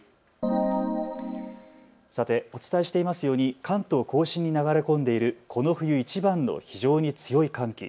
さて、お伝えしていますように関東甲信に流れ込んでいるこの冬いちばんの非常に強い寒気。